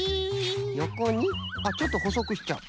あっちょっとほそくしちゃう？